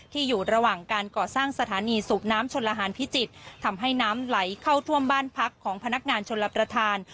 อยู่ระหว่างการก่อสร้างสถานีสูบน้ำชนลหารพิจิตรทำให้น้ำไหลเข้าท่วมบ้านพักของพนักงานชนรับประทาน